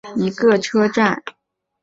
富勒姆大道站是伦敦地铁的一个车站。